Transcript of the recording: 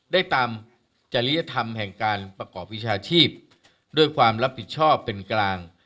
ได้ตามจริยธรรมแห่งการประกอบวิชาชีพด้วยความรับผิดชอบเป็นกลาง